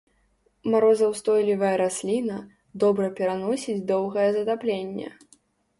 Марозаўстойлівая расліна, добра пераносіць доўгае затапленне.